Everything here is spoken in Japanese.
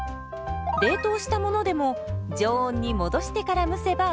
冷凍したものでも常温に戻してから蒸せばＯＫ。